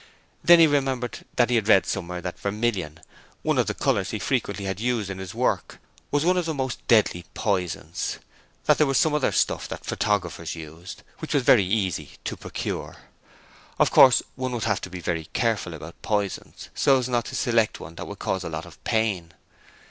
Then he remembered that he had read somewhere that vermillion, one of the colours he frequently had to use in his work, was one of the most deadly poisons: and there was some other stuff that photographers used, which was very easy to procure. Of course, one would have to be very careful about poisons, so as not to select one that would cause a lot of pain.